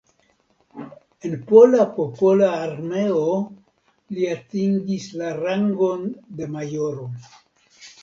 En Pola Popola Armeo li atingis la rangon de majoro.